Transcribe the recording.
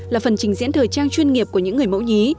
là phần trình diễn thời trang chuyên nghiệp của những người mẫu nhí